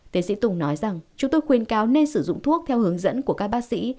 tiến sĩ tùng nói rằng chúng tôi khuyên cáo nên sử dụng thuốc theo hướng dẫn của các bác sĩ